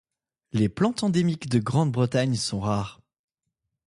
Les plantes endémiques de Grande-Bretagne sont rares.